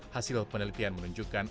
hasil penelitian menunjukkan